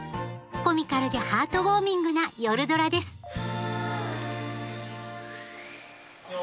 コミカルでハートウォーミングな「夜ドラ」ですよ